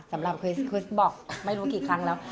สำหรับคริสคริสบอกไม่รู้กี่ครั้งแล้ว